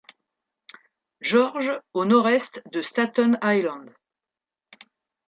George au nord-est de Staten Island.